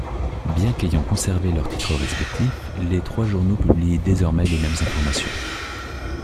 Bien qu'ayant conservé leurs titres respectifs, les trois journaux publient désormais les mêmes informations.